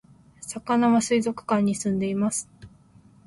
さかなは水族館に住んでいます